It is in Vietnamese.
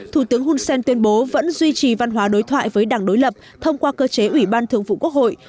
thủ tướng hunsen tuyên bố vẫn duy trì văn hóa đối thoại với đảng đối lập thông qua cơ chế ủy ban thượng vụ quốc hội